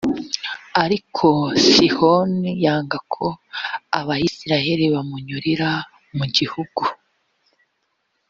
ariko sihoni yanga ko abayisraheli bamunyurira mu gihugu.